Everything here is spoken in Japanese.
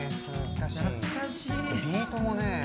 ビートもね